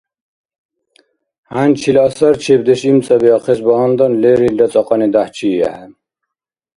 Хӏянчила асарчебдеш имцӏабиахъес багьандан, лерилра цӏакьани дяхӏчиихӏе